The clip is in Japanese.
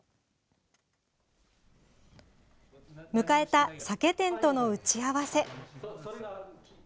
迎えた酒店との打ち合わせ。